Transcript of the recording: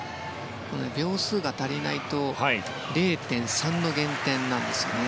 秒数が足りないと０．３の減点なんです。